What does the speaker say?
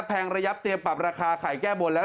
แงระยับเตรียมปรับราคาไข่แก้บนแล้ว